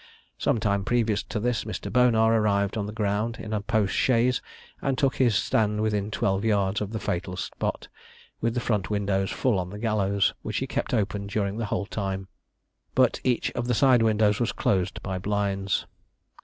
Some time previous to this, Mr. Bonar arrived on the ground in a post chaise, and took his stand within twelve yards of the fatal spot, with the front windows full on the gallows, which he kept open during the whole time; but each of the side windows was closed by blinds.